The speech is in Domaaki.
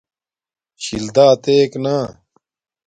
شل دا اتییک نا